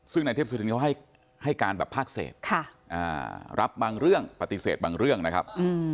ซึ่งนายเทพสุธินเขาให้การแบบภาคเศษรับบางเรื่องปฏิเสธบางเรื่องนะครับ